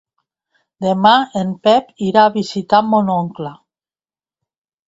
Demà en Pep irà a visitar mon oncle.